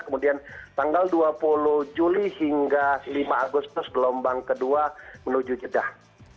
kemudian tanggal dua puluh juli hingga lima agustus gelombang kedua menuju jeddah